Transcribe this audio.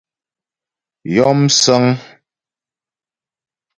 Yɔ msə̌ŋ.